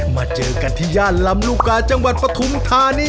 มาเจอกันที่ย่านลำลูกกาจังหวัดปฐุมธานี